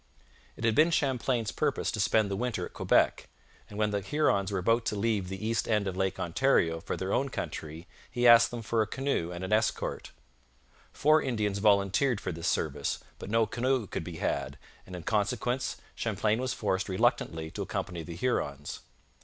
It had been Champlain's purpose to spend the winter at Quebec, and when the Hurons were about to leave the east end of Lake Ontario for their own country he asked them for a canoe and an escort. Four Indians volunteered for this service, but no canoe could be had, and in consequence Champlain was forced reluctantly to accompany the Hurons.